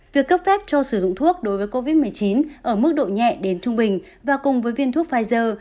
việc cấp phép cho sử dụng thuốc đối với covid một mươi chín ở mức độ nhẹ đến trung bình và cùng với viên thuốc pfizer